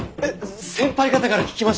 先輩方から聞きました！